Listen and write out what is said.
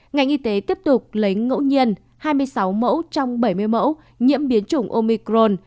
ngành y tế tiếp tục lấy ngẫu nhiên hai mươi sáu mẫu trong bảy mươi mẫu nhiễm biến chủng omicron